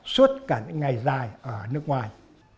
suốt cả những ngày dài ở nước ngoài